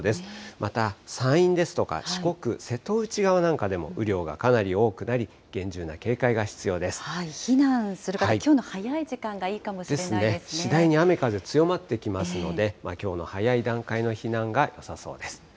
また山陰ですとか四国、瀬戸内側なんかでも、雨量がかなり多くな避難する方、きょうの早い時ですね、次第に雨、風強まってきますので、きょうの早い段階の避難がよさそうです。